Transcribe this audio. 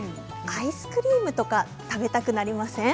アイスクリームとか食べたくなりません？